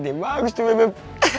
ide bagus tuh beb